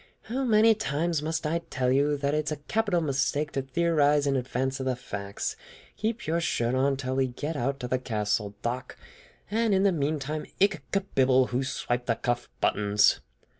"How many times must I tell you that it is a capital mistake to theorize in advance of the facts! Keep your shirt on till we get out to the castle, Doc; and in the meantime ich kebibble who swiped the cuff buttons!"